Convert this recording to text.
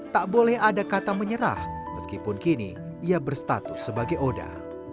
tak boleh ada kata menyerah meskipun kini ia berstatus sebagai oda